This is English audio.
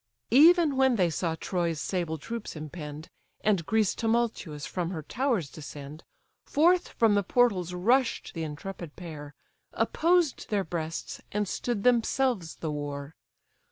Even when they saw Troy's sable troops impend, And Greece tumultuous from her towers descend, Forth from the portals rush'd the intrepid pair, Opposed their breasts, and stood themselves the war.